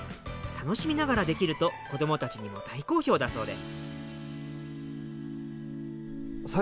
楽しみながらできると子どもたちにも大好評だそうです。